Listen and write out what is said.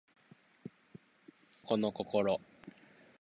親の心子の心